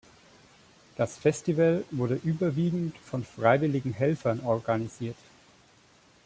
Das Festival wurde überwiegend von freiwilligen Helfern organisiert.